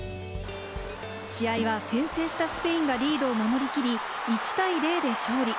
試合は先制したスペインがリードを守り切り、１対０で勝利。